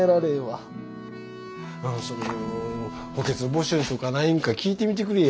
補欠募集とかないんか聞いてみてくれや。